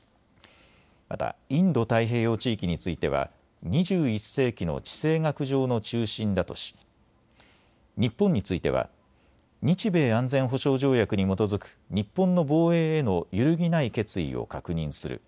またインド太平洋地域については２１世紀の地政学上の中心だとし日本については日米安全保障条約に基づく日本の防衛への揺るぎない決意を確認する。